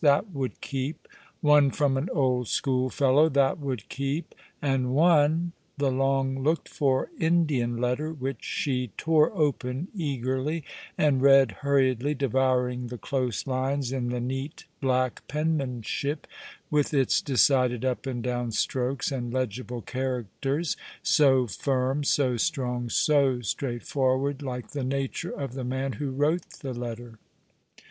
That would keep. One from an old schoolfellow. That would keep. And one — the long looked for Indian letter, which she tore open eagerly, and read hurriedly, devouring the close lines, B All alonz the River. t> in the neat, black penmanship, with its decided up and down strokes, and legible characters, so firm, so strong, so straightforward, like the nature of the man who wrote the letter.